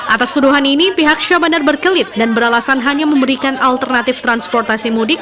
atas tuduhan ini pihak syabandar berkelit dan beralasan hanya memberikan alternatif transportasi mudik